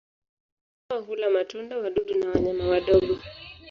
Ndege hawa hula matunda, wadudu na wanyama wadogo.